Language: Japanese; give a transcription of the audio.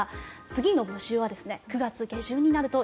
次の募集は９月下旬になると。